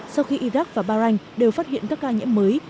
sau khi iraq và bahrain đều phát hiện các ca nhiễm mới